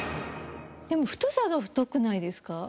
でも太さが太くないですか？